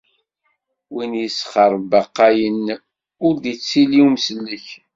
Win i yesxerbaqayen ur d-ittili umsellek.